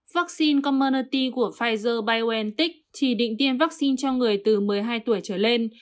vaccine commernalty của pfizer biontech chỉ định tiêm vaccine cho người từ một mươi hai tuổi trở lên